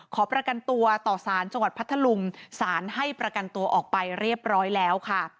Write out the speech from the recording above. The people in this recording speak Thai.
ขอประกันตัวต่อสารจังหวัดพัทธลุงสารให้ประกันตัวออกไปเรียบร้อยแล้วค่ะ